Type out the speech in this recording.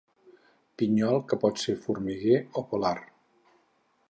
Pinyol que pot ser formiguer o polar.